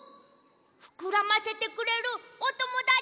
ふくらませてくれるおともだち！